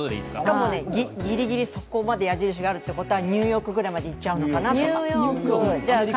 ギリギリ、ここまで矢印があるということはニューヨークくらいまでいっちゃうのかなとか。